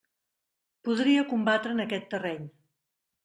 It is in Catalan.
Podria combatre en aquest terreny.